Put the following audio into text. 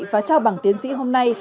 và trao bằng tiến sĩ hôm nay